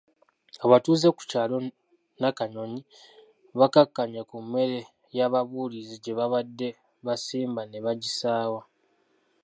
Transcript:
Abatuuze ku kyalo Nakanyonyi bakkakkanye ku mmere y'ababuulizi gye babadde baasimba ne bagisaawa.